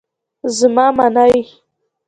زما منی.